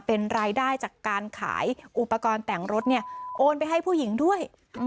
เป็นรายได้จากการขายอุปกรณ์แต่งรถเนี่ยโอนไปให้ผู้หญิงด้วย